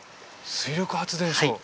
水力発電所はい